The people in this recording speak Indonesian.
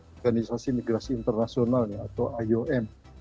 organisasi migrasi internasional atau iom